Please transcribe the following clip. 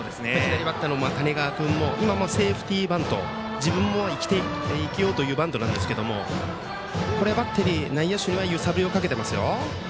バッターの谷川君も今のセーフティーバント自分も生きようというバントなんですけどもバッテリー、内野手が揺さぶりをかけています。